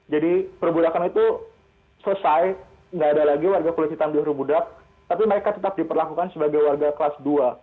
jadi perbudakan itu selesai nggak ada lagi warga kulit hitam di huru budak tapi mereka tetap diperlakukan sebagai warga kelas dua